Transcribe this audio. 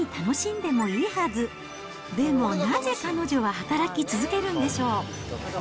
でもなぜ彼女は働き続けるんでしょう。